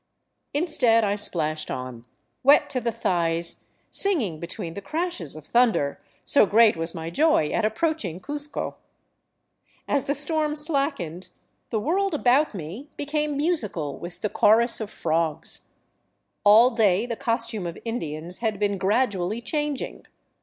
Instead I splashed on, wet to the thighs, singing between the crashes of thunder, so great was my joy at approaching Cuzco. As the storm slackened, the world about me became musical with the chorus of frogs. All day the costume of Indians had been gradually changing.